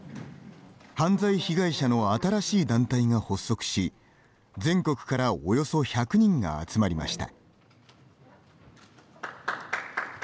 犯罪被害者の新しい団体が発足し全国からおよそ１００人が集まりました。